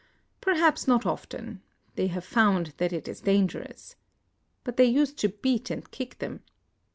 " Perhaps not often. They have found that it is dangerous. But they used to beat and kick them.